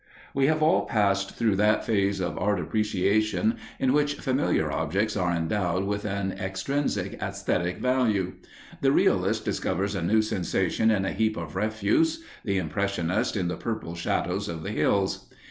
We have all passed through that phase of art appreciation in which familiar objects are endowed with an extrinsic æsthetic value. The realist discovers a new sensation in a heap of refuse, the impressionist in the purple shadows of the hills.